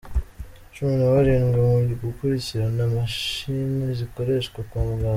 Cumi nabarindwi mu gukurikirana imashini zikoreshwa kwa muganga